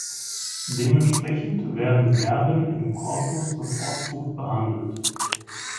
Dementsprechend werden Verben im Korpus bevorzugt behandelt.